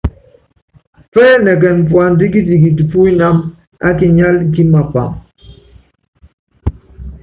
Pɛ́ɛnɛkɛn puand kitikit pú inámb á kinyál kí mapáam.